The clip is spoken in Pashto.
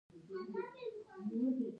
هغه په فرانسوي وویل: حالت دی سم دی؟